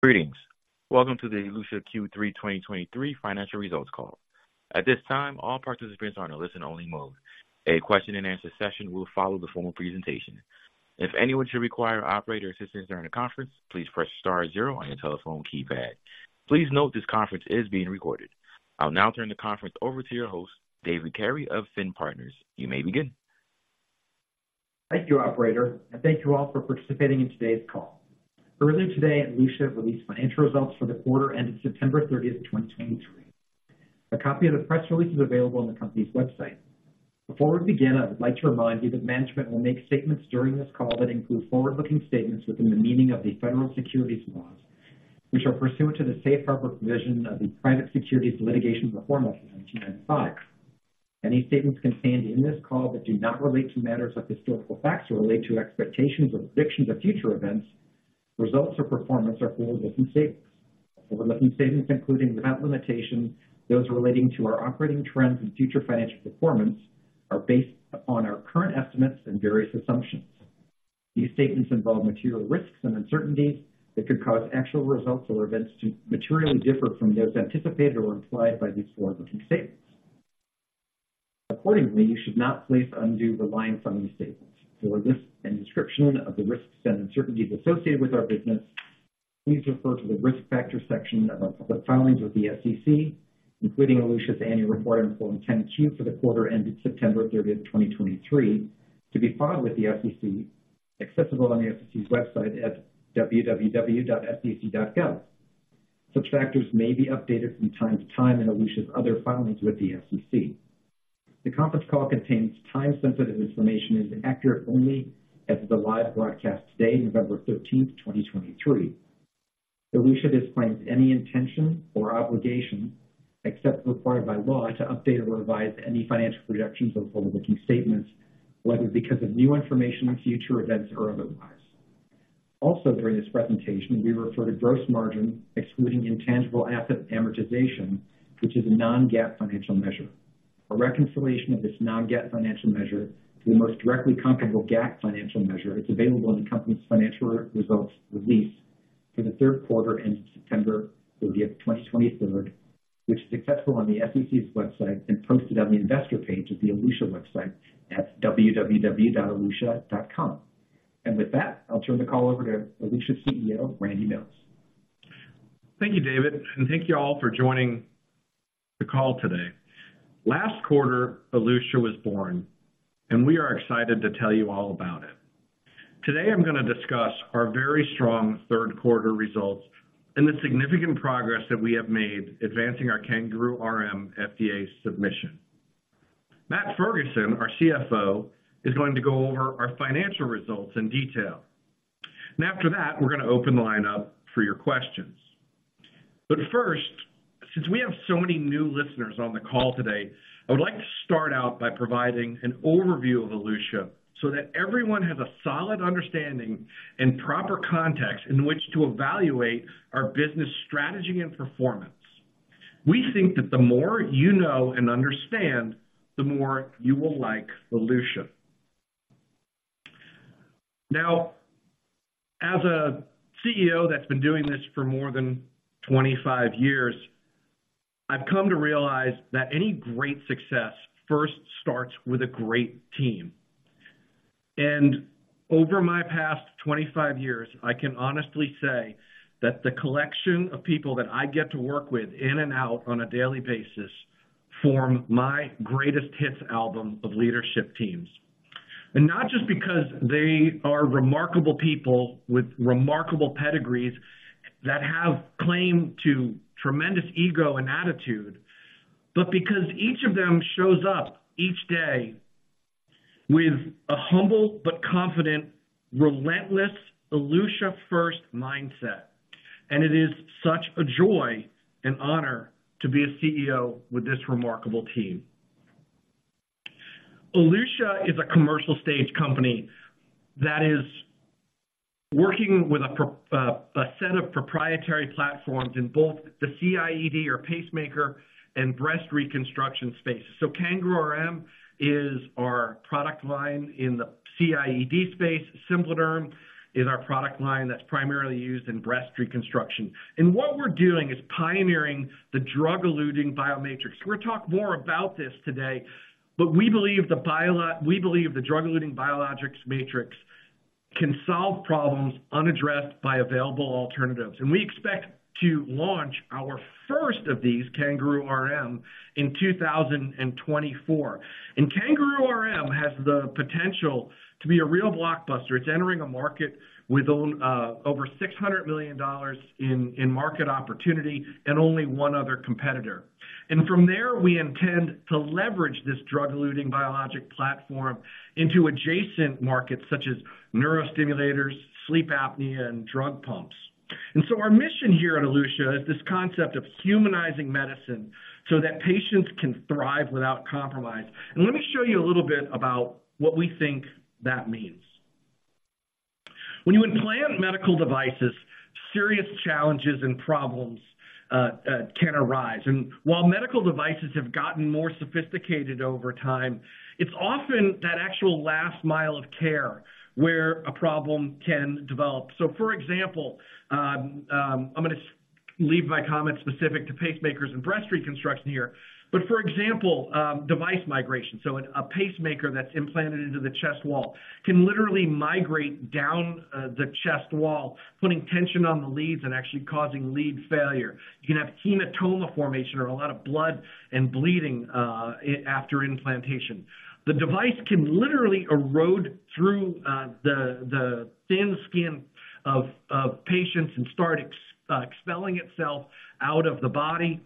Greetings. Welcome to the Elutia Q3 2023 financial results call. At this time, all participants are in a listen-only mode. A question-and-answer session will follow the formal presentation. If anyone should require operator assistance during the conference, please press star zero on your telephone keypad. Please note this conference is being recorded. I'll now turn the conference over to your host, David Carey of Finn Partners. You may begin. Thank you, operator, and thank you all for participating in today's call. Earlier today, Elutia released financial results for the quarter ending September 30, 2023. A copy of the press release is available on the company's website. Before we begin, I would like to remind you that management will make statements during this call that include forward-looking statements within the meaning of the federal securities laws, which are pursuant to the safe harbor provision of the Private Securities Litigation Reform Act of 1995. Any statements contained in this call that do not relate to matters of historical facts or relate to expectations or predictions of future events, results or performance are forward-looking statements. Forward-looking statements, including, without limitation, those relating to our operating trends and future financial performance, are based upon our current estimates and various assumptions. These statements involve material risks and uncertainties that could cause actual results or events to materially differ from those anticipated or implied by these forward-looking statements. Accordingly, you should not place undue reliance on these statements. For a list and description of the risks and uncertainties associated with our business, please refer to the Risk Factors section of our public filings with the SEC, including Elutia's annual report on Form 10-Q for the quarter ended September thirtieth, twenty twenty-three, to be filed with the SEC, accessible on the SEC's website at www.sec.gov. Such factors may be updated from time to time in Elutia's other filings with the SEC. The conference call contains time-sensitive information and is accurate only as of the live broadcast today, November thirteenth, twenty twenty-three. Elutia disclaims any intention or obligation, except as required by law, to update or revise any financial projections or forward-looking statements, whether because of new information, future events, or otherwise. Also, during this presentation, we refer to gross margin excluding intangible asset amortization, which is a non-GAAP financial measure. A reconciliation of this non-GAAP financial measure to the most directly comparable GAAP financial measure is available in the company's financial results release for the Q3 ending September 30, 2023, which is accessible on the SEC's website and posted on the investor page of the Elutia website at www.elutia.com. With that, I'll turn the call over to Elutia's CEO, Randy Mills. Thank you, David, and thank you all for joining the call today. Last quarter, Elutia was born, and we are excited to tell you all about it. Today, I'm going to discuss our very strong Q3 results and the significant progress that we have made advancing our CanGaroo RM FDA submission. Matt Ferguson, our CFO, is going to go over our financial results in detail. After that, we're going to open the line up for your questions. But first, since we have so many new listeners on the call today, I would like to start out by providing an overview of Elutia so that everyone has a solid understanding and proper context in which to evaluate our business strategy and performance. We think that the more you know and understand, the more you will like Elutia. Now, as a CEO that's been doing this for more than 25 years, I've come to realize that any great success first starts with a great team. And over my past 25 years, I can honestly say that the collection of people that I get to work with in and out on a daily basis form my greatest hits album of leadership teams. And not just because they are remarkable people with remarkable pedigrees that have claim to tremendous ego and attitude, but because each of them shows up each day with a humble but confident, relentless, Elutia-first mindset. And it is such a joy and honor to be a CEO with this remarkable team. Elutia is a commercial-stage company that is working with a set of proprietary platforms in both the CIED or pacemaker and breast reconstruction space. So CanGaroo RM is our product line in the CIED space. SimpliDerm is our product line that's primarily used in breast reconstruction. And what we're doing is pioneering the drug-eluting biologics. We'll talk more about this today, but we believe the drug-eluting biologics matrix can solve problems unaddressed by available alternatives, and we expect to launch our first of these, CanGaroo RM, in 2024. And CanGaroo RM has the potential to be a real blockbuster. It's entering a market with over $600 million in market opportunity and only one other competitor. And from there, we intend to leverage this drug-eluting biologic platform into adjacent markets such as neurostimulators, sleep apnea, and drug pumps. And so our mission here at Elutia is this concept of humanizing medicine so that patients can thrive without compromise. Let me show you a little bit about what we think that means. When you implant medical devices, serious challenges and problems can arise. While medical devices have gotten more sophisticated over time, it's often that actual last mile of care where a problem can develop. So for example, leave my comments specific to pacemakers and breast reconstruction here. But for example, device migration. So a pacemaker that's implanted into the chest wall can literally migrate down the chest wall, putting tension on the leads and actually causing lead failure. You can have hematoma formation or a lot of blood and bleeding after implantation. The device can literally erode through the thin skin of patients and start expelling itself out of the body.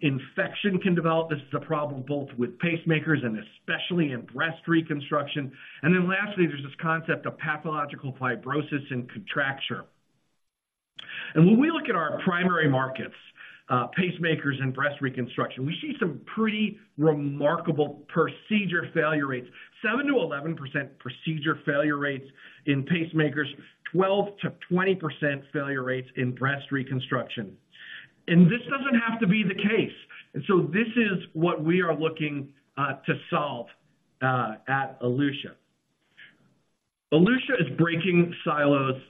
Infection can develop. This is a problem both with pacemakers and especially in breast reconstruction. And then lastly, there's this concept of pathological fibrosis and contracture. And when we look at our primary markets, pacemakers and breast reconstruction, we see some pretty remarkable procedure failure rates. 7%-11% procedure failure rates in pacemakers, 12%-20% failure rates in breast reconstruction. And this doesn't have to be the case. And so this is what we are looking to solve at Elutia. Elutia is breaking silos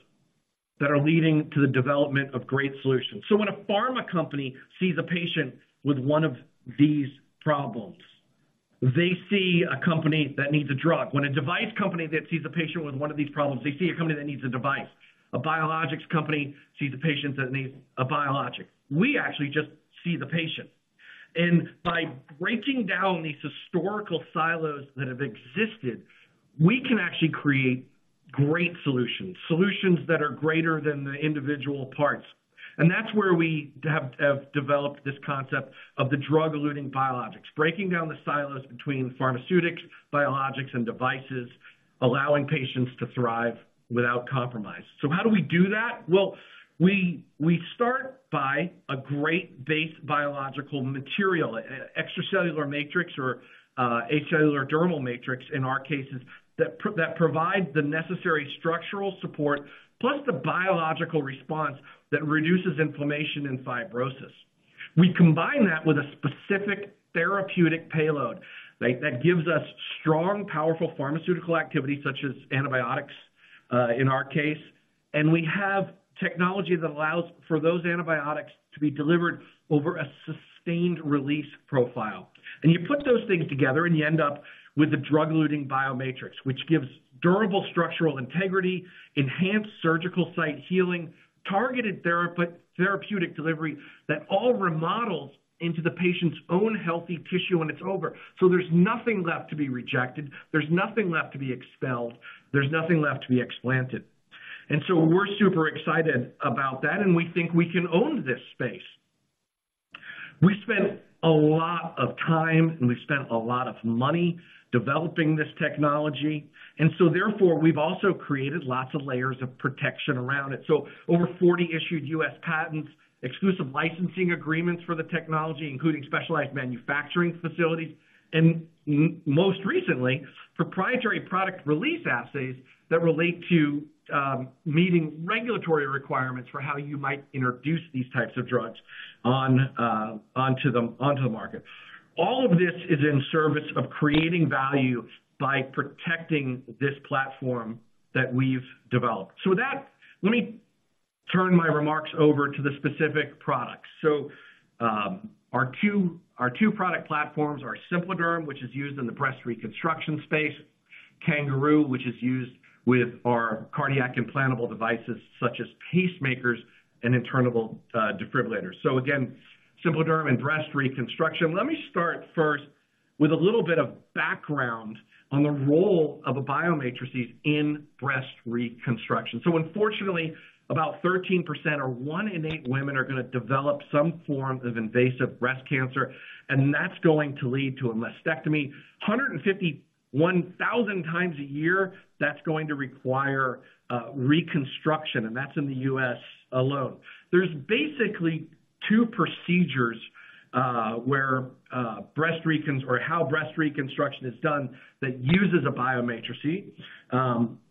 that are leading to the development of great solutions. So when a pharma company sees a patient with one of these problems, they see a company that needs a drug. When a device company that sees a patient with one of these problems, they see a company that needs a device. A biologics company sees a patient that needs a biologic. We actually just see the patient. By breaking down these historical silos that have existed, we can actually create great solutions, solutions that are greater than the individual parts. That's where we have developed this concept of the drug-eluting biologics, breaking down the silos between pharmaceutics, biologics, and devices, allowing patients to thrive without compromise. How do we do that? Well, we start by a great base biological material, extracellular matrix or acellular dermal matrix in our cases, that provides the necessary structural support, plus the biological response that reduces inflammation and fibrosis. We combine that with a specific therapeutic payload that gives us strong, powerful pharmaceutical activity, such as antibiotics in our case. We have technology that allows for those antibiotics to be delivered over a sustained-release profile. And you put those things together, and you end up with a drug-eluting bio matrix, which gives durable structural integrity, enhanced surgical site healing, targeted therapeutic delivery, that all remodels into the patient's own healthy tissue when it's over. So there's nothing left to be rejected, there's nothing left to be expelled, there's nothing left to be explanted. And so we're super excited about that, and we think we can own this space. We spent a lot of time, and we've spent a lot of money developing this technology, and so therefore, we've also created lots of layers of protection around it. So over 40 issued U.S. patents, exclusive licensing agreements for the technology, including specialized manufacturing facilities, and most recently, proprietary product release assays that relate to meeting regulatory requirements for how you might introduce these types of drugs onto the market. All of this is in service of creating value by protecting this platform that we've developed. So with that, let me turn my remarks over to the specific products. So, our two, our two product platforms are SimpliDerm, which is used in the breast reconstruction space, CanGaroo, which is used with our cardiac implantable devices such as pacemakers and internal defibrillators. So again, SimpliDerm in breast reconstruction. Let me start first with a little bit of background on the role of a bio matrices in breast reconstruction. So unfortunately, about 13% or one in eight women are going to develop some form of invasive breast cancer, and that's going to lead to a mastectomy. 151,000 times a year, that's going to require reconstruction, and that's in the U.S. alone. There's basically two procedures where breast reconstruction is done that uses a biomatrix.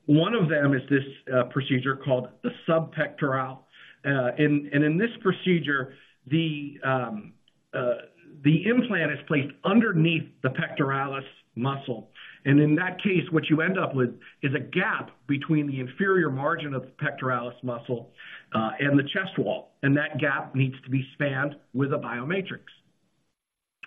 One of them is this procedure called the subpectoral. And in this procedure, the implant is placed underneath the pectoralis muscle. In that case, what you end up with is a gap between the inferior margin of the pectoralis muscle and the chest wall, and that gap needs to be spanned with a biomatrix.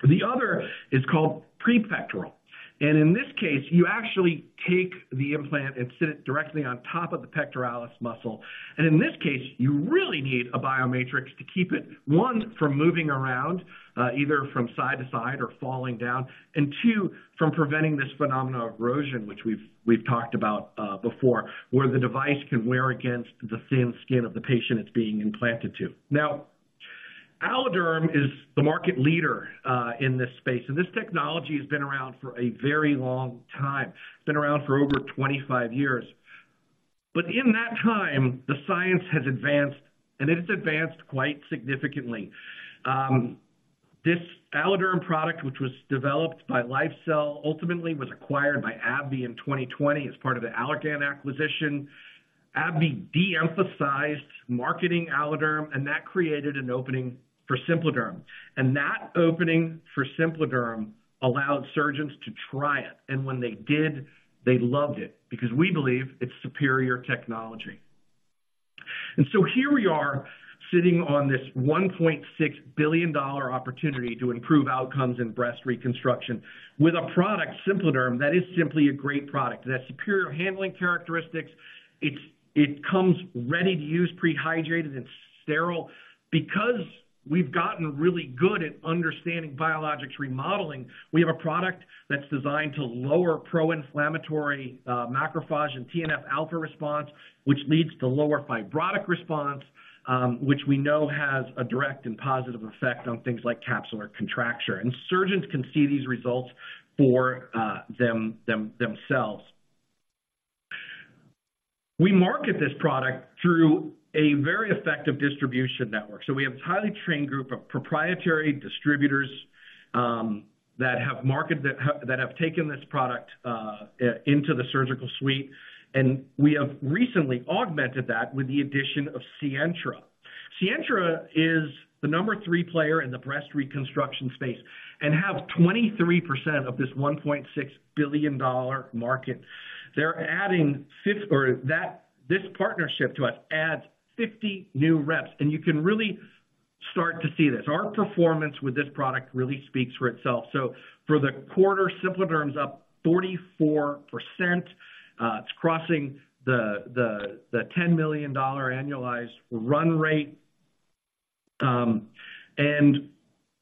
The other is called prepectoral, and in this case, you actually take the implant and sit it directly on top of the pectoralis muscle. In this case, you really need a bio matrix to keep it, 1, from moving around, either from side to side or falling down, and 2, from preventing this phenomena of erosion, which we've talked about, before, where the device can wear against the thin skin of the patient it's being implanted to. Now, AlloDerm is the market leader, in this space, and this technology has been around for a very long time. It's been around for over 25 years. But in that time, the science has advanced, and it has advanced quite significantly. This AlloDerm product, which was developed by LifeCell, ultimately was acquired by AbbVie in 2020 as part of the Allergan acquisition. AbbVie de-emphasized marketing AlloDerm, and that created an opening for SimpliDerm. That opening for SimpliDerm allowed surgeons to try it, and when they did, they loved it, because we believe it's superior technology.... And so here we are, sitting on this $1.6 billion opportunity to improve outcomes in breast reconstruction with a product, SimpliDerm, that is simply a great product. It has superior handling characteristics. It comes ready to use, pre-hydrated and sterile. Because we've gotten really good at understanding biologics remodeling, we have a product that's designed to lower pro-inflammatory macrophage and TNF-alpha response, which leads to lower fibrotic response, which we know has a direct and positive effect on things like capsular contracture. And surgeons can see these results for themselves. We market this product through a very effective distribution network. So we have a highly trained group of proprietary distributors that have taken this product into the surgical suite, and we have recently augmented that with the addition of Sientra. Sientra is the number 3 player in the breast reconstruction space and have 23% of this $1.6 billion market. They're adding this partnership to us adds 50 new reps, and you can really start to see this. Our performance with this product really speaks for itself. So for the quarter, SimpliDerm's up 44%. It's crossing the $10 million annualized run rate. And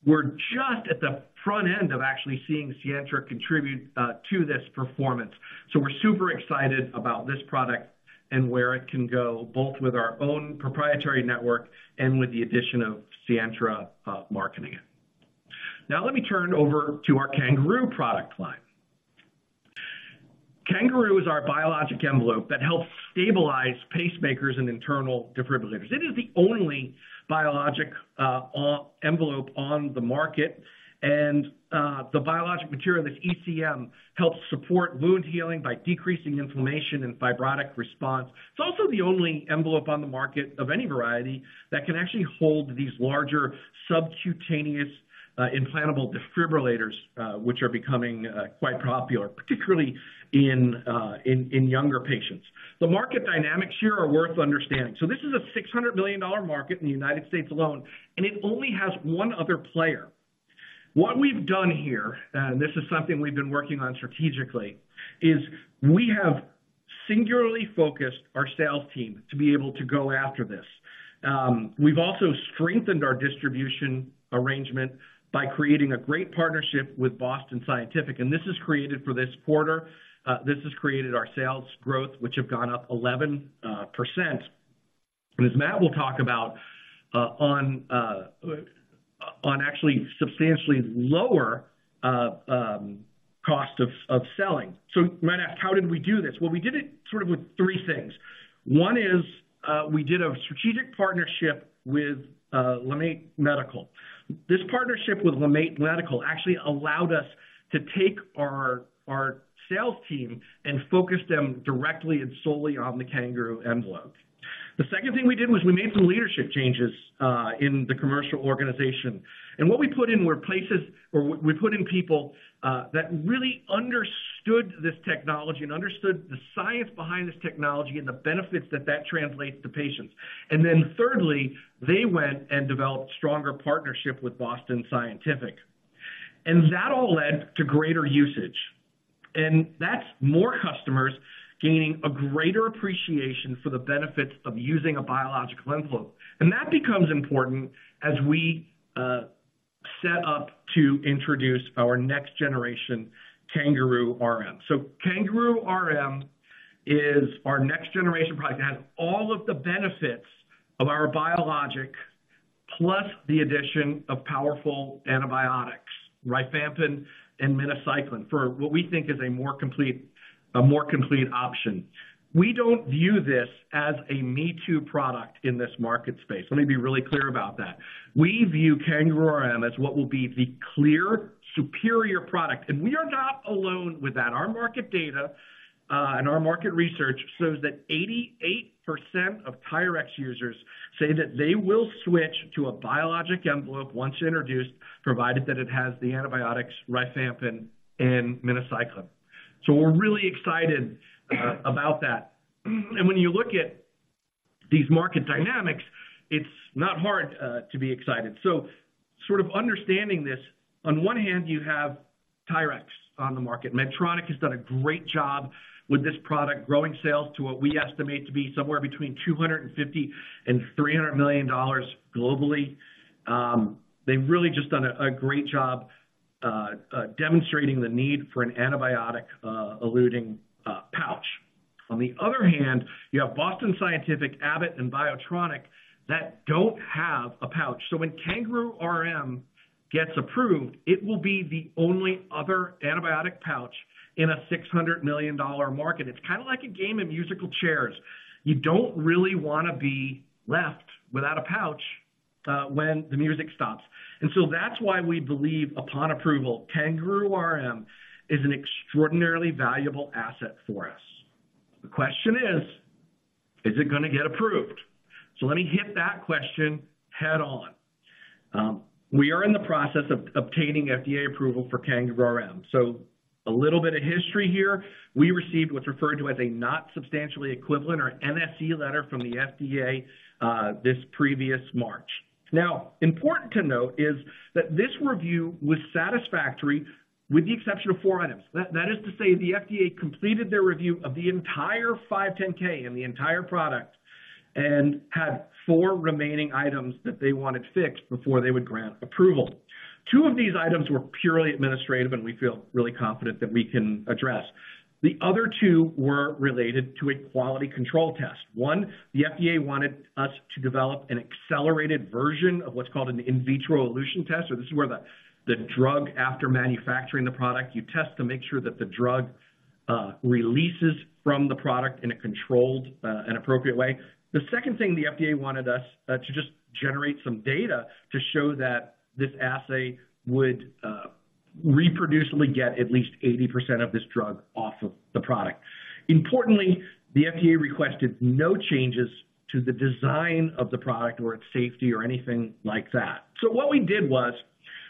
we're just at the front end of actually seeing Sientra contribute to this performance. So we're super excited about this product and where it can go, both with our own proprietary network and with the addition of Sientra marketing it. Now let me turn over to our CanGaroo product line. CanGaroo is our biologic envelope that helps stabilize pacemakers and internal defibrillators. It is the only biologic envelope on the market. And the biologic material, this ECM, helps support wound healing by decreasing inflammation and fibrotic response. It's also the only envelope on the market of any variety that can actually hold these larger subcutaneous implantable defibrillators, which are becoming quite popular, particularly in younger patients. The market dynamics here are worth understanding. So this is a $600 million market in the United States alone, and it only has one other player. What we've done here, and this is something we've been working on strategically, is we have singularly focused our sales team to be able to go after this. We've also strengthened our distribution arrangement by creating a great partnership with Boston Scientific, and this has created for this quarter, this has created our sales growth, which have gone up 11%. And as Matt will talk about, on actually substantially lower cost of selling. So you might ask, how did we do this? Well, we did it sort of with three things. One is, we did a strategic partnership with LeMaitre Vascular. This partnership with LeMaitre Vascular actually allowed us to take our sales team and focus them directly and solely on the CanGaroo envelope. The second thing we did was we made some leadership changes in the commercial organization. And what we put in were places, or we put in people that really understood this technology and understood the science behind this technology and the benefits that that translates to patients. And then thirdly, they went and developed stronger partnership with Boston Scientific. And that all led to greater usage, and that's more customers gaining a greater appreciation for the benefits of using a biological envelope. And that becomes important as we set up to introduce our next generation, CanGaroo RM. So CanGaroo RM is our next generation product. It has all of the benefits of our biologic, plus the addition of powerful antibiotics, rifampin and minocycline, for what we think is a more complete, a more complete option. We don't view this as a me-too product in this market space. Let me be really clear about that. We view CanGaroo RM as what will be the clear superior product, and we are not alone with that. Our market data and our market research shows that 88% of TYRX users say that they will switch to a biologic envelope once introduced, provided that it has the antibiotics rifampin and minocycline. So we're really excited about that. And when you look at these market dynamics, it's not hard to be excited. So sort of understanding this, on one hand, you have TYRX on the market. Medtronic has done a great job with this product, growing sales to what we estimate to be somewhere between $250 million and $300 million globally. They've really just done a great job demonstrating the need for an antibiotic eluting pouch. On the other hand, you have Boston Scientific, Abbott, and BIOTRONIK that don't have a pouch. So when CanGaroo RM gets approved, it will be the only other antibiotic pouch in a $600 million market. It's kind of like a game of musical chairs. You don't really want to be left without a pouch when the music stops. And so that's why we believe upon approval, CanGaroo RM is an extraordinarily valuable asset for us. The question is, is it going to get approved? So let me hit that question head on. We are in the process of obtaining FDA approval for CanGaroo RM. So a little bit of history here. We received what's referred to as a not substantially equivalent or NSE letter from the FDA this previous March. Now, important to note is that this review was satisfactory with the exception of four items. That is to say, the FDA completed their review of the entire 510(k) and the entire product, and had 4 remaining items that they wanted fixed before they would grant approval. 2 of these items were purely administrative, and we feel really confident that we can address. The other 2 were related to a quality control test. One, the FDA wanted us to develop an accelerated version of what's called an in vitro elution test, or this is where the drug, after manufacturing the product, you test to make sure that the drug releases from the product in a controlled and appropriate way. The second thing, the FDA wanted us to just generate some data to show that this assay would reproducibly get at least 80% of this drug off of the product. Importantly, the FDA requested no changes to the design of the product or its safety or anything like that. So what we did was,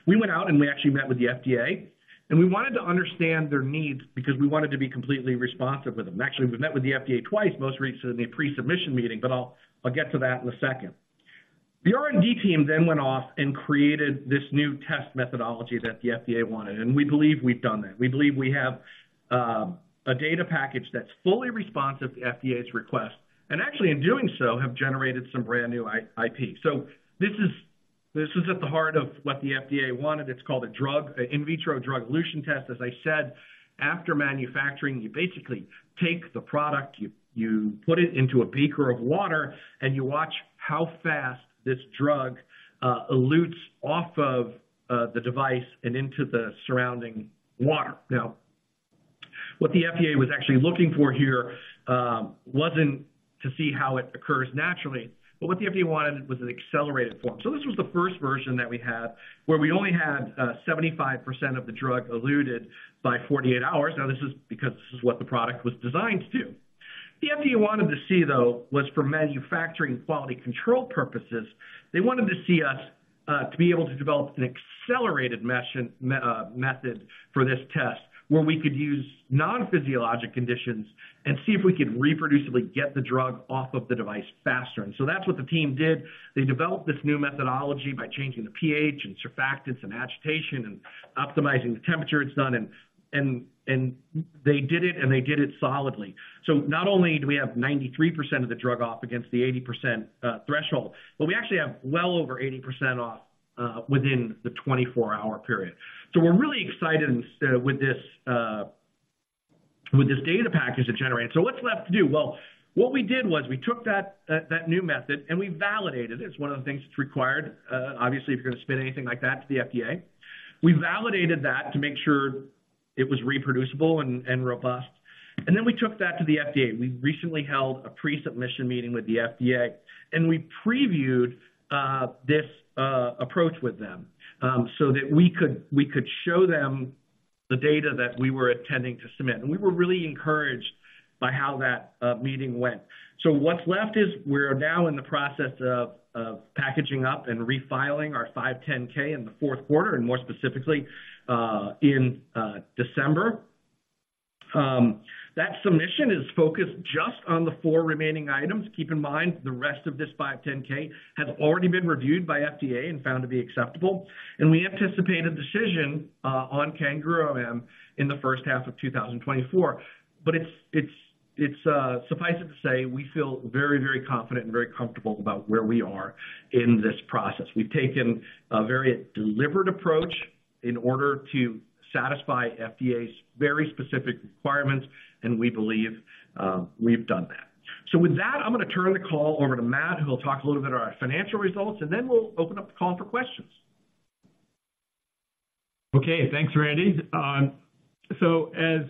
we went out and we actually met with the FDA, and we wanted to understand their needs because we wanted to be completely responsive with them. Actually, we've met with the FDA twice, most recently in a pre-submission meeting, but I'll get to that in a second. The R&D team then went off and created this new test methodology that the FDA wanted, and we believe we've done that. We believe we have a data package that's fully responsive to FDA's request, and actually, in doing so, have generated some brand new IP. So this is at the heart of what the FDA wanted. It's called a drug, an in vitro drug elution test. As I said, after manufacturing, you basically take the product, you put it into a beaker of water, and you watch how fast this drug elutes off of the device and into the surrounding water. Now, what the FDA was actually looking for here wasn't to see how it occurs naturally, but what the FDA wanted was an accelerated form. So this was the first version that we had, where we only had 75% of the drug eluted by 48 hours. Now, this is because this is what the product was designed to do. The FDA wanted to see, though, was for manufacturing quality control purposes. They wanted to see us to be able to develop an accelerated method for this test, where we could use non-physiologic conditions and see if we could reproducibly get the drug off of the device faster. That's what the team did. They developed this new methodology by changing the pH and surfactants and agitation and optimizing the temperature it's done, and they did it solidly. Not only do we have 93% of the drug off against the 80% threshold, but we actually have well over 80% off within the 24-hour period. We're really excited instead with this data package it generated. What's left to do? Well, what we did was we took that new method and we validated it. It's one of the things that's required, obviously, if you're going to submit anything like that to the FDA. We validated that to make sure it was reproducible and robust, and then we took that to the FDA. We recently held a pre-submission meeting with the FDA, and we previewed this approach with them so that we could show them the data that we were intending to submit. And we were really encouraged by how that meeting went. So what's left is we're now in the process of packaging up and refiling our 510(k) in the Q4, and more specifically, in December. That submission is focused just on the four remaining items. Keep in mind, the rest of this 510(k) has already been reviewed by FDA and found to be acceptable, and we anticipate a decision on CanGaroo RM in the first half of 2024. But suffice it to say, we feel very, very confident and very comfortable about where we are in this process. We've taken a very deliberate approach in order to satisfy FDA's very specific requirements, and we believe we've done that. So with that, I'm going to turn the call over to Matt, who will talk a little bit about our financial results, and then we'll open up the call for questions. Okay, thanks, Randy. So as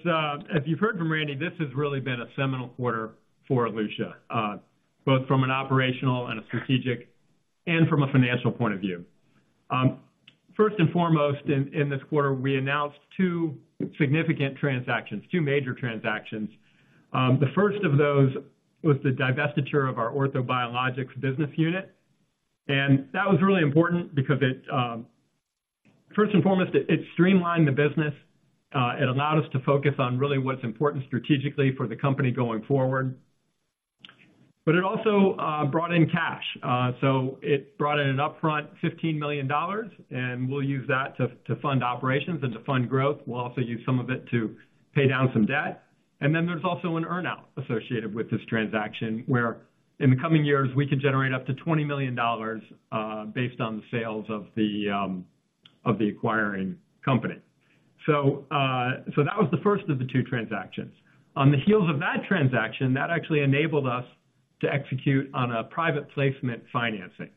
you've heard from Randy, this has really been a seminal quarter for Aziyo, both from an operational and a strategic, and from a financial point of view. First and foremost, in this quarter, we announced two significant transactions, two major transactions. The first of those was the divestiture of our Orthobiologics business unit, and that was really important because it... First and foremost, it streamlined the business. It allowed us to focus on really what's important strategically for the company going forward. But it also brought in cash. So it brought in an upfront $15 million, and we'll use that to fund operations and to fund growth. We'll also use some of it to pay down some debt. And then there's also an earn-out associated with this transaction, where in the coming years, we could generate up to $20 million based on the sales of the acquiring company. So, so that was the first of the two transactions. On the heels of that transaction, that actually enabled us to execute on a private placement financing.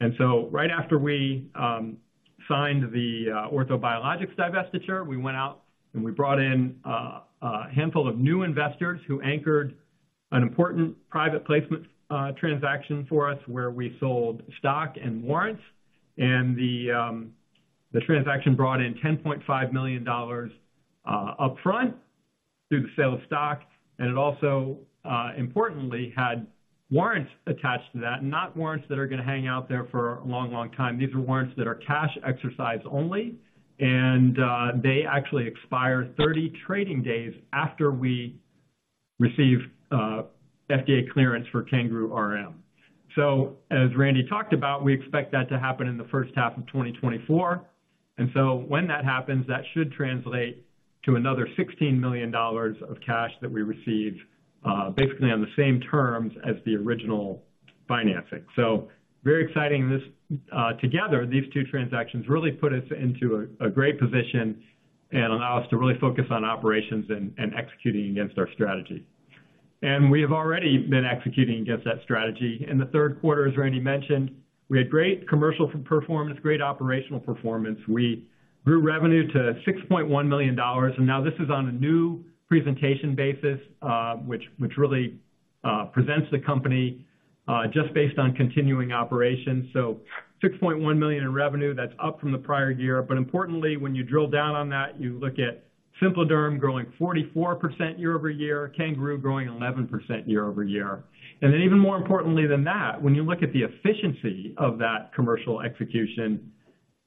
And so right after we signed the Orthobiologics divestiture, we went out and we brought in a handful of new investors who anchored an important private placement transaction for us, where we sold stock and warrants, and the transaction brought in $10.5 million upfront through the sale of stock, and it also importantly had warrants attached to that, not warrants that are going to hang out there for a long, long time. These are warrants that are cash exercise only, and they actually expire 30 trading days after we receive FDA clearance for CanGaroo RM. So as Randy talked about, we expect that to happen in the first half of 2024, and so when that happens, that should translate to another $16 million of cash that we receive, basically on the same terms as the original financing. So very exciting. This, together, these two transactions really put us into a great position and allow us to really focus on operations and executing against our strategy. And we have already been executing against that strategy. In the Q3, as Randy mentioned, we had great commercial performance, great operational performance. We grew revenue to $6.1 million, and now this is on a new presentation basis, which really presents the company just based on continuing operations. So $6.1 million in revenue, that's up from the prior year. But importantly, when you drill down on that, you look at SimpliDerm growing 44% year-over-year, CanGaroo growing 11% year-over-year. And then, even more importantly than that, when you look at the efficiency of that commercial execution,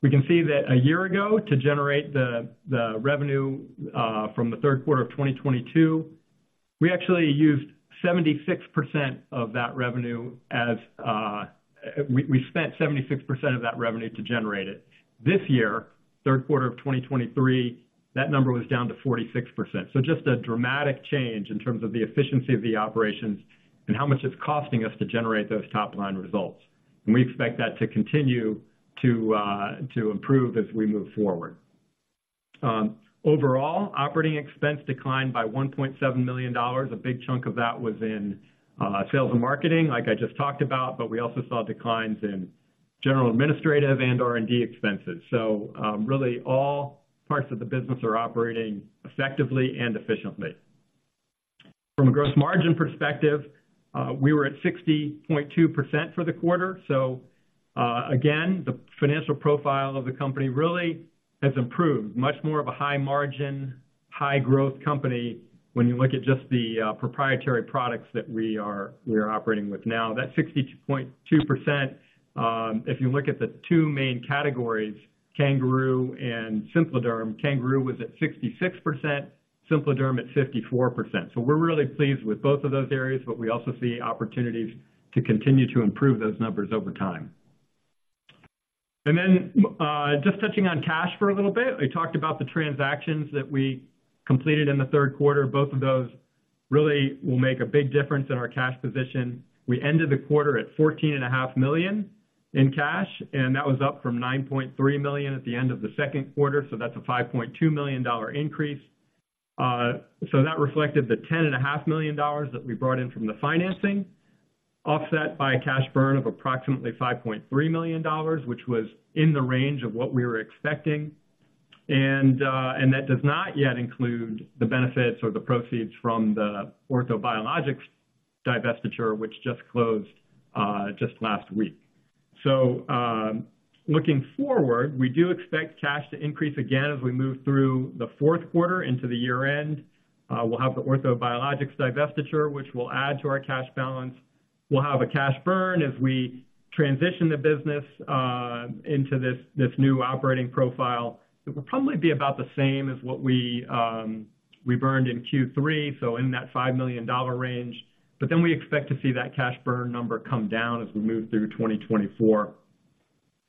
we can see that a year ago, to generate the revenue from the Q3 of 2022, we actually used 76% of that revenue as... We spent 76% of that revenue to generate it. This year, Q3 of 2023, that number was down to 46%. So just a dramatic change in terms of the efficiency of the operations and how much it's costing us to generate those top-line results. And we expect that to continue to, to improve as we move forward. Overall, operating expense declined by $1.7 million. A big chunk of that was in, sales and marketing, like I just talked about, but we also saw declines in general administrative and R&D expenses. So, really, all parts of the business are operating effectively and efficiently. From a gross margin perspective, we were at 60.2% for the quarter. So, again, the financial profile of the company really has improved. Much more of a high margin, high growth company when you look at just the proprietary products that we're operating with now. That 62.2%, if you look at the two main categories, CanGaroo and SimpliDerm, CanGaroo was at 66%, SimpliDerm at 54%. So we're really pleased with both of those areas, but we also see opportunities to continue to improve those numbers over time. And then, just touching on cash for a little bit. I talked about the transactions that we completed in the Q3 Both of those really will make a big difference in our cash position. We ended the quarter at $14.5 million in cash, and that was up from $9.3 million at the end of the Q2, so that's a $5.2 million increase. So that reflected the $10.5 million that we brought in from the financing, offset by a cash burn of approximately $5.3 million, which was in the range of what we were expecting. And that does not yet include the benefits or the proceeds from the Orthobiologics divestiture, which just closed just last week. So, looking forward, we do expect cash to increase again as we move through the Q4 into the year-end. We'll have the Orthobiologics divestiture, which will add to our cash balance. We'll have a cash burn as we transition the business into this new operating profile. It will probably be about the same as what we burned in Q3, so in that $5 million range, but then we expect to see that cash burn number come down as we move through 2024.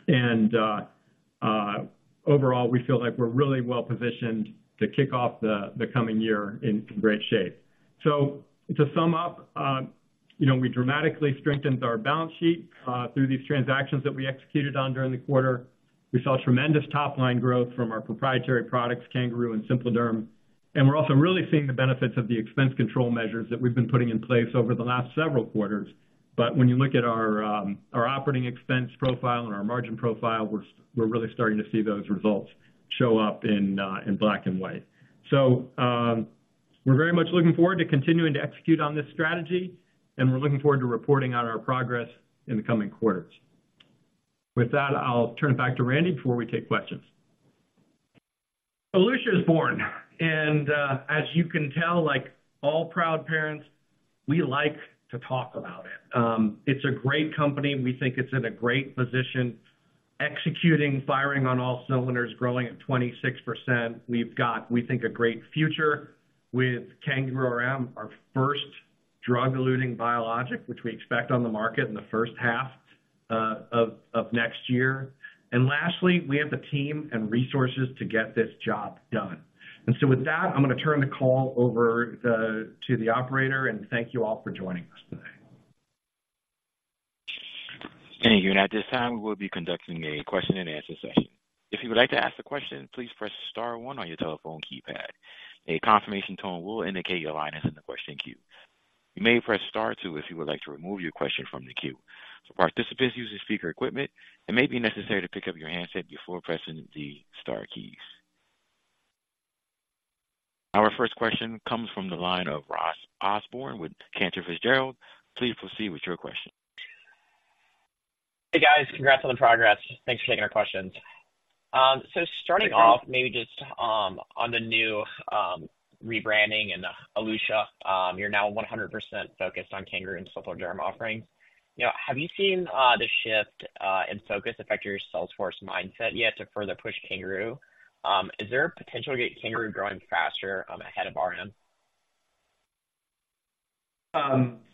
And overall, we feel like we're really well positioned to kick off the coming year in great shape. So to sum up, you know, we dramatically strengthened our balance sheet through these transactions that we executed on during the quarter. We saw tremendous top-line growth from our proprietary products, CanGaroo and SimpliDerm. And we're also really seeing the benefits of the expense control measures that we've been putting in place over the last several quarters. But when you look at our our operating expense profile and our margin profile, we're we're really starting to see those results show up in in black and white. So, we're very much looking forward to continuing to execute on this strategy, and we're looking forward to reporting on our progress in the coming quarters. With that, I'll turn it back to Randy before we take questions. Alicia is born, and, as you can tell, like all proud parents, we like to talk about it. It's a great company. We think it's in a great position, executing, firing on all cylinders, growing at 26%. We've got, we think, a great future with CanGaroo RM, our first drug-eluting biologic, which we expect on the market in the first half of next year. And lastly, we have the team and resources to get this job done. And so with that, I'm going to turn the call over to the operator, and thank you all for joining us today. Thank you. At this time, we'll be conducting a question-and-answer session. If you would like to ask a question, please press star one on your telephone keypad. A confirmation tone will indicate your line is in the question queue. You may press star two if you would like to remove your question from the queue. Participants use the speaker equipment, it may be necessary to pick up your handset before pressing the star keys. Our first question comes from the line of Ross Osborn with Cantor Fitzgerald. Please proceed with your question. Hey, guys, congrats on the progress. Thanks for taking our questions. So starting off, maybe just on the new rebranding and the Elutia, you're now 100% focused on CanGaroo and SimpliDerm offerings. You know, have you seen the shift in focus affect your sales force mindset yet to further push CanGaroo? Is there a potential to get CanGaroo growing faster ahead of RM?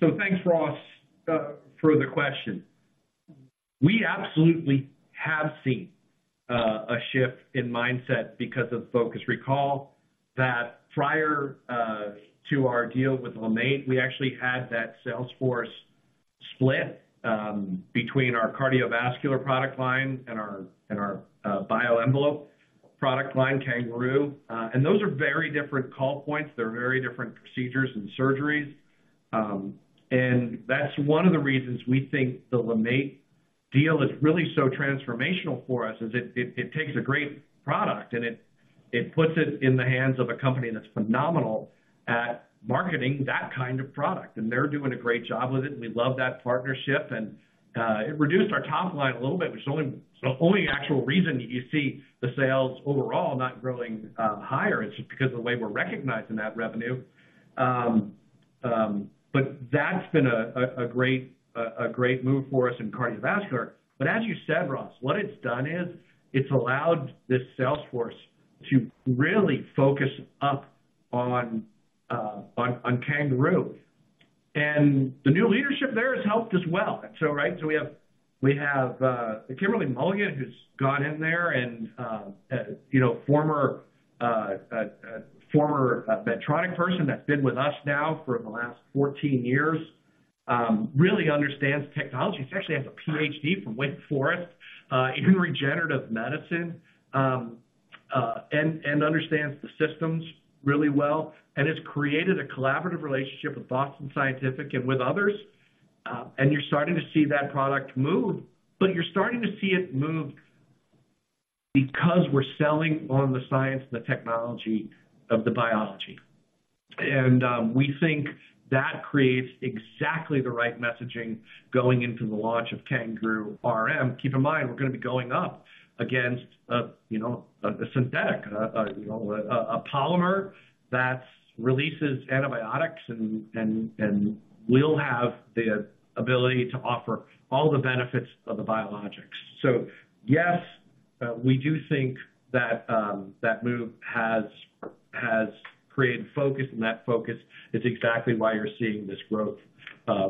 So thanks, Ross, for the question. We absolutely have seen a shift in mindset because of focus. Recall that prior to our deal with LeMaitre, we actually had that sales force split between our cardiovascular product line and our bioenvelope product line, CanGaroo. And those are very different call points. They're very different procedures and surgeries. And that's one of the reasons we think the LeMaitre deal is really so transformational for us, is it takes a great product and it puts it in the hands of a company that's phenomenal at marketing that kind of product, and they're doing a great job with it, and we love that partnership. And it reduced our top line a little bit, which is the only actual reason you see the sales overall not growing higher. It's just because of the way we're recognizing that revenue. But that's been a great move for us in cardiovascular. But as you said, Ross, what it's done is, it's allowed this sales force to really focus up on CanGaroo. And the new leadership there has helped as well. So we have Kimberly Mulligan, who's gone in there and, you know, former Medtronic person that's been with us now for the last 14 years, really understands technology. She actually has a PhD from Wake Forest in regenerative medicine and understands the systems really well, and has created a collaborative relationship with Boston Scientific and with others. And you're starting to see that product move, but you're starting to see it move because we're selling on the science and the technology of the biology. And we think that creates exactly the right messaging going into the launch of CanGaroo RM. Keep in mind, we're going to be going up against a synthetic, you know, a polymer that releases antibiotics and will have the ability to offer all the benefits of the biologics. So yes, we do think that that move has created focus, and that focus is exactly why you're seeing this growth,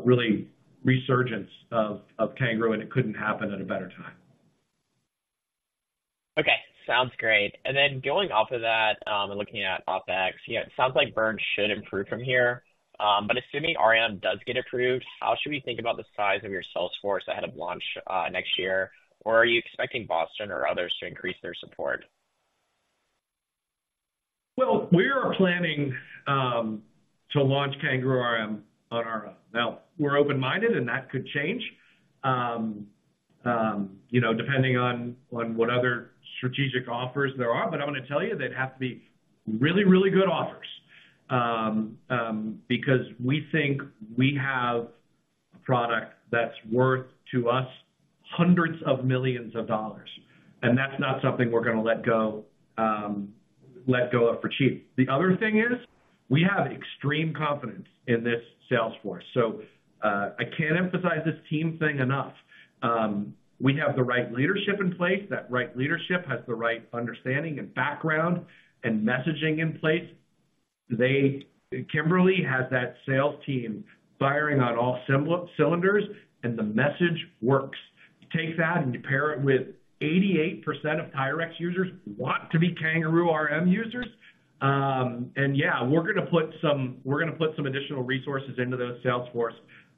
really resurgence of CanGaroo, and it couldn't happen at a better time. Okay, sounds great. And then going off of that, and looking at OpEx, yeah, it sounds like burn should improve from here. But assuming RM does get approved, how should we think about the size of your sales force ahead of launch, next year? Or are you expecting Boston or others to increase their support? Well, we are planning to launch CanGaroo RM on our own. Now, we're open-minded, and that could change, you know, depending on what other strategic offers there are. But I'm going to tell you, they'd have to be really, really good offers, because we think we have a product that's worth to us hundreds of millions of dollars, and that's not something we're going to let go, let go of for cheap. The other thing is, we have extreme confidence in this sales force, so, I can't emphasize this team thing enough. We have the right leadership in place. That right leadership has the right understanding and background and messaging in place. They Kimberly has that sales team firing on all cylinders, and the message works. Take that and pair it with 88% of TYRX users want to be CanGaroo RM users. Yeah, we're going to put some additional resources into those sales force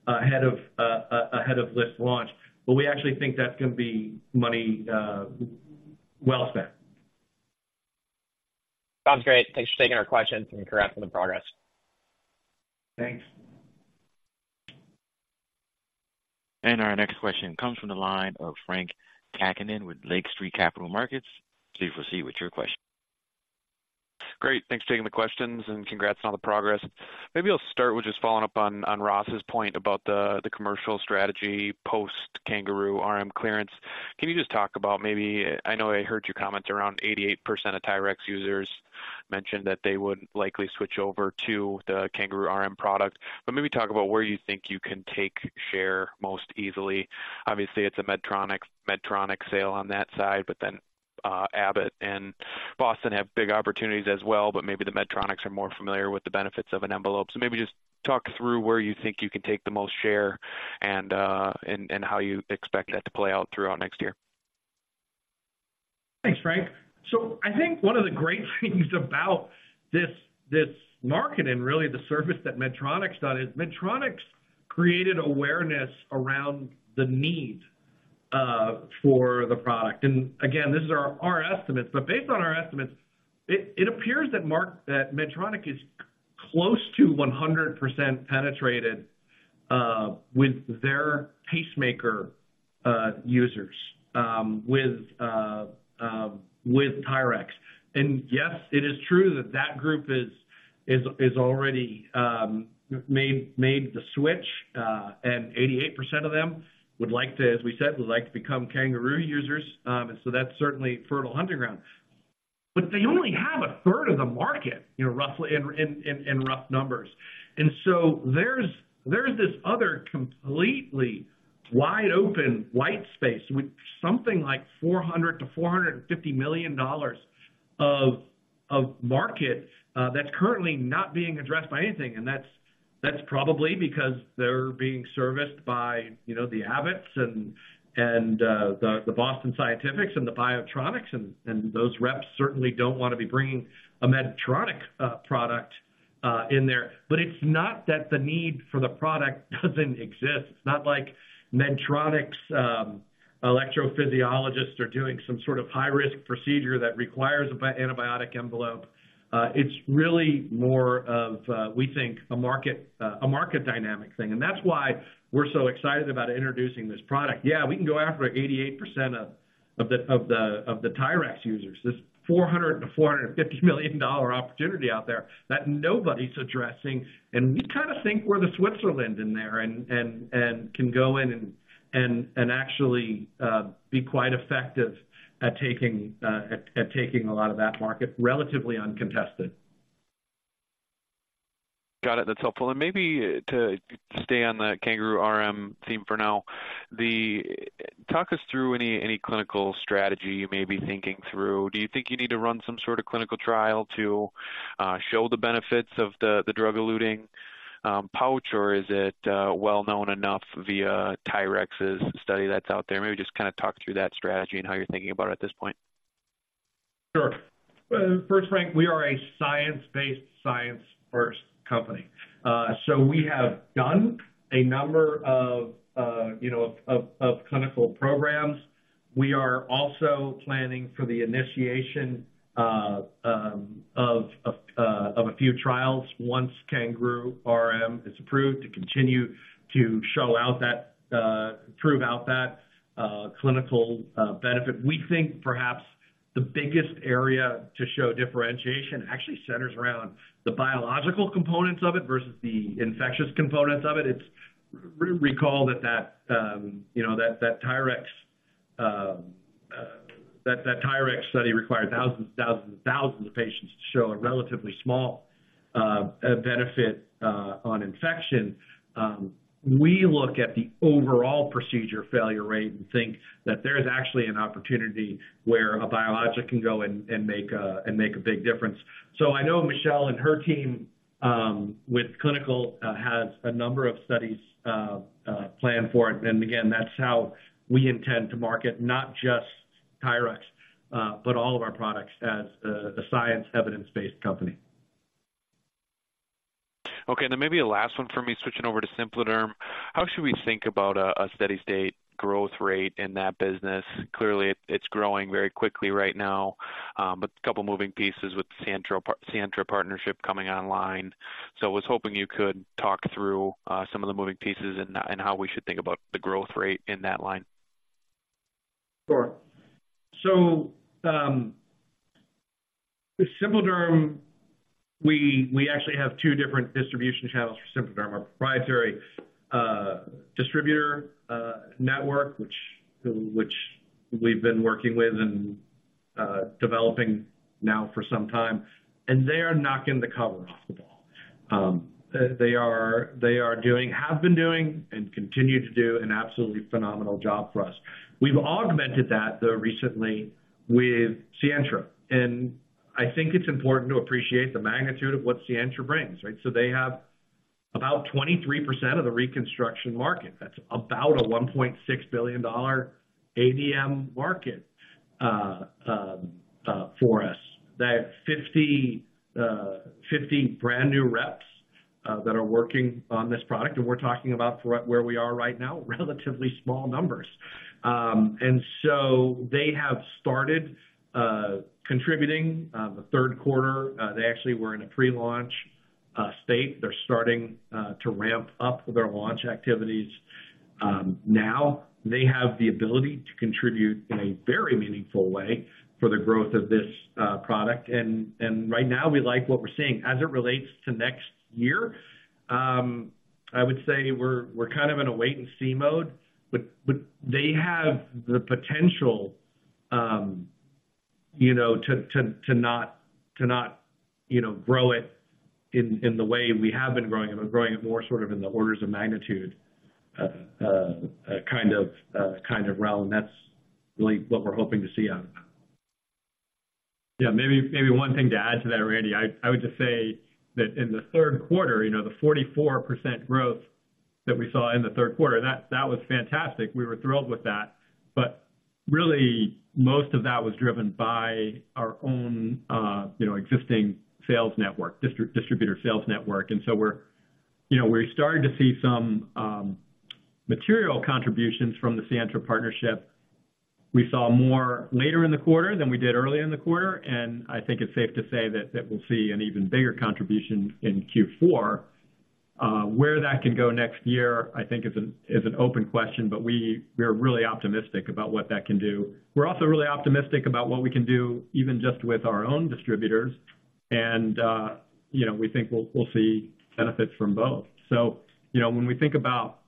ahead of list launch, but we actually think that's going to be money well spent. Sounds great. Thanks for taking our questions, and congrats on the progress. Thanks. Our next question comes from the line of Frank Tacconini with Lake Street Capital Markets. Please proceed with your question. Great, thanks for taking the questions, and congrats on the progress. Maybe I'll start with just following up on Ross's point about the commercial strategy post CanGaroo RM clearance. Can you just talk about maybe... I know I heard your comments around 88% of TYRX users mentioned that they would likely switch over to the CanGaroo RM product, but maybe talk about where you think you can take share most easily. Obviously, it's a Medtronic, Medtronic sale on that side, but then, Abbott and Boston have big opportunities as well. But maybe the Medtronics are more familiar with the benefits of an envelope. So maybe just talk through where you think you can take the most share and, and how you expect that to play out throughout next year. Thanks, Frank. So I think one of the great things about this market, and really the service that Medtronic's done, is Medtronic's created awareness around the need for the product. And again, this is our estimates, but based on our estimates, it appears that Medtronic is close to 100% penetrated with their pacemaker users with TYRX. And yes, it is true that that group is already made the switch, and 88% of them would like to, as we said, would like to become CanGaroo users. And so that's certainly fertile hunting ground. But they only have a third of the market, you know, roughly in rough numbers. And so there's this other completely wide open white space with something like $400 million-$450 million of market that's currently not being addressed by anything. And that's probably because they're being serviced by, you know, the Abbotts and the Boston Scientifics and the BIOTRONIKs, and those reps certainly don't want to be bringing a Medtronic product in there. But it's not that the need for the product doesn't exist. It's not like Medtronic's electrophysiologists are doing some sort of high-risk procedure that requires a bi-antibiotic envelope. It's really more of a, we think, a market dynamic thing, and that's why we're so excited about introducing this product. Yeah, we can go after 88% of the TYRX users. This $400-$450 million opportunity out there that nobody's addressing, and we kind of think we're the Switzerland in there and can go in and actually be quite effective at taking a lot of that market, relatively uncontested. Got it. That's helpful. Maybe to stay on the CanGaroo RM theme for now. Talk us through any clinical strategy you may be thinking through. Do you think you need to run some sort of clinical trial to show the benefits of the drug-eluting pouch? Or is it well known enough via TYRX's study that's out there? Maybe just kind of talk through that strategy and how you're thinking about it at this point. Sure. First, Frank, we are a science-based, science-first company. So we have done a number of, you know, clinical programs. We are also planning for the initiation of a few trials once CanGaroo RM is approved, to continue to prove out that clinical benefit. We think perhaps the biggest area to show differentiation actually centers around the biological components of it versus the infectious components of it. It's... Recall that, you know, that TYRX study required thousands and thousands and thousands of patients to show a relatively small benefit on infection. We look at the overall procedure failure rate and think that there is actually an opportunity where a biologic can go in and make a big difference. So I know Michelle and her team with clinical has a number of studies planned for it. And again, that's how we intend to market not just TYRX but all of our products as a science evidence-based company. Okay, then maybe a last one for me. Switching over to SimpliDerm, how should we think about a steady state growth rate in that business? Clearly, it's growing very quickly right now. But a couple moving pieces with Sientra partnership coming online. So I was hoping you could talk through some of the moving pieces and how we should think about the growth rate in that line. Sure. So, with SimpliDerm, we actually have two different distribution channels for SimpliDerm, a proprietary distributor network, which we've been working with and developing now for some time, and they are knocking the cover off the ball. They have been doing and continue to do an absolutely phenomenal job for us. We've augmented that, though, recently with Sientra, and I think it's important to appreciate the magnitude of what Sientra brings, right? So they have about 23% of the reconstruction market. That's about a $1.6 billion ADM market for us. That 50 brand new reps that are working on this product, and we're talking about for where we are right now, relatively small numbers. And so they have started contributing the Q3. They actually were in a pre-launch state. They're starting to ramp up their launch activities. Now they have the ability to contribute in a very meaningful way for the growth of this product, and right now we like what we're seeing. As it relates to next year, I would say we're kind of in a wait-and-see mode, but they have the potential, you know, to not grow it in the way we have been growing it, but growing it more sort of in the orders of magnitude kind of realm. That's really what we're hoping to see out of that. Yeah, maybe, maybe one thing to add to that, Randy. I, I would just say that in the Q3, you know, the 44% growth that we saw in the Q3, that, that was fantastic. We were thrilled with that, but really, most of that was driven by our own, you know, existing sales network, direct-distributor sales network. And so we're, you know, we're starting to see some material contributions from the Sientra partnership. We saw more later in the quarter than we did earlier in the quarter, and I think it's safe to say that, that we'll see an even bigger contribution in Q4. Where that can go next year, I think is an open question, but we're really optimistic about what that can do. We're also really optimistic about what we can do even just with our own distributors, and, you know, we think we'll see benefits from both. So, you know, when we think about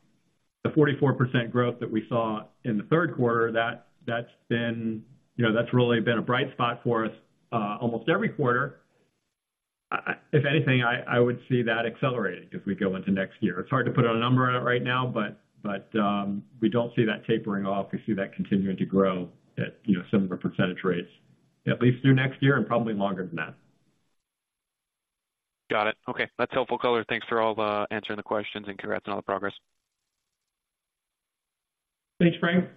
the 44% growth that we saw in the Q3, that's been, you know, that's really been a bright spot for us, almost every quarter. If anything, I would see that accelerating as we go into next year. It's hard to put a number on it right now, but, we don't see that tapering off. We see that continuing to grow at, you know, similar percentage rates, at least through next year and probably longer than that. Got it. Okay, that's helpful color. Thanks for all the answering the questions, and congrats on all the progress. Thanks, Frank.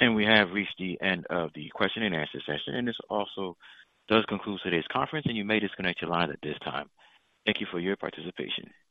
We have reached the end of the question and answer session, and this also does conclude today's conference, and you may disconnect your line at this time. Thank you for your participation.